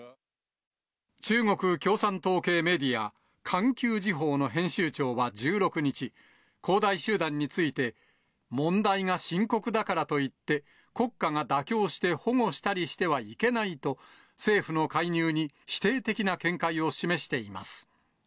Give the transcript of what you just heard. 中国共産党系メディア、環球時報の編集長は１６日、恒大集団について、問題が深刻だからといって、国家が妥協して保護したりしてはいけないと、政府の介入に否定的な見解を示しています。